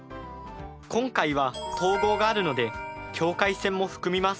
今回は等号があるので境界線も含みます。